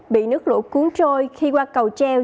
bị nước lũ cuốn trôi khi qua cầu treo